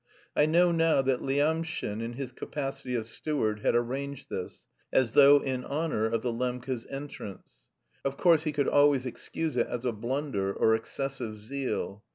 I know now that Lyamshin, in his capacity of steward, had arranged this, as though in honour of the Lembkes' entrance. Of course he could always excuse it as a blunder or excessive zeal....